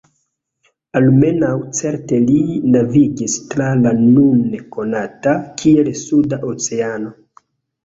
Almenaŭ certe li navigis tra la nune konata kiel Suda Oceano.